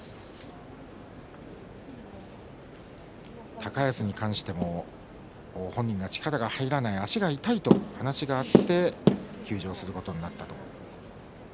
高安に関しても本人が力が入らない、足が痛いという話があって休場することになったということです。